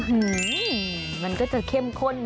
อื้อมันก็จะเข้มข้น